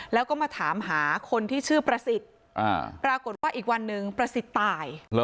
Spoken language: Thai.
แล้วก็มาถามหาคนที่ชื่อประสิทธิ์ปรากฏว่าอีกวันหนึ่งประสิทธิ์ตาย